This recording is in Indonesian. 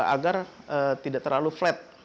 agar tidak terlalu flat